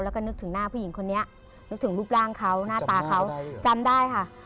แล้วก็นึกถึงหน้าผู้หญิงคนนี้นึกถึงรูปร่างเขาหน้าตาเขาจำได้ค่ะ